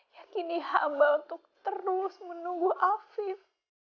yakini hamba untuk terus menunggu afif